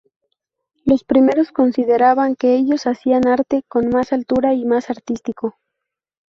Los primeros consideraban que ellos hacían arte con más altura y más artístico.